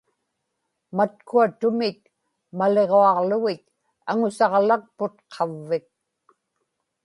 matkua tumit maliġuaġlugit aŋusaġlakput qavvik